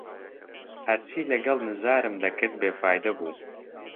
هەرچی لەگەڵ نزارم دەکرد، بێفایدە بوو